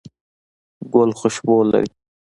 ګل خوشبو لري